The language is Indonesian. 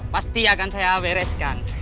pasti akan saya bereskan